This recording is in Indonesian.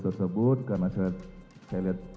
tersebut karena saya lihat